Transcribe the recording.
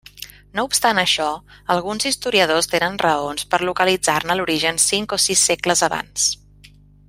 No obstant això, alguns historiadors tenen raons per localitzar-ne l'origen cinc o sis segles abans.